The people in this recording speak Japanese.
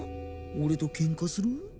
俺とケンカする？